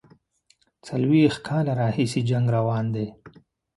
څلوېښت کاله راهیسي جنګ روان دی.